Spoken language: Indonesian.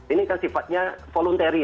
ini kan sifatnya voluntary